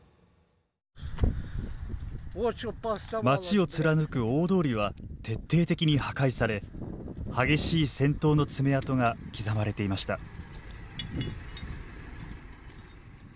街を貫く大通りは徹底的に破壊され激しい戦闘の爪痕が刻まれていました。